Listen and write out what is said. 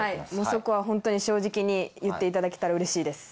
そこはホントに正直に言っていただけたらうれしいです。